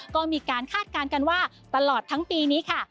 ก็มีการคาดการณ์กันว่าตลอดทั้งปีนี้ค่ะ